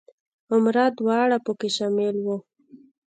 عمره دواړه په کې شامل وو.